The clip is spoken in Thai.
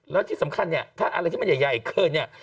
แล้วที่สำคัญเนี่ยถ้าอะไรที่มันใหญ่เกินเนี่ย